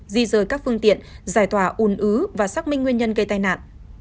di rời các phương tiện giải thỏa ủn ứ và xác minh nguyên nhân gây tai nạn